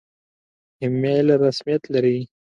ایمیل رسمیت لري؟